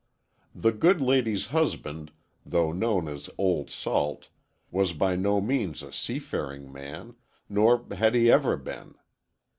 The good lady's husband, though known as "Old Salt," was by no means a seafaring man, nor had he ever been.